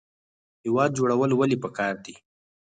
هیواد جوړول ولې پکار دي؟